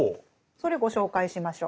それご紹介しましょう。